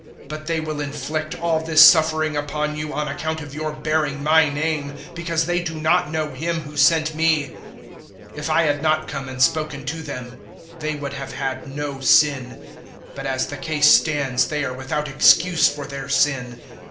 015:021 But they will inflict all this suffering upon you on account of your bearing my name because they do not know Him who sent me. 015:022 "If I had not come and spoken to them, they would have had no sin; but as the case stands they are without excuse for their sin.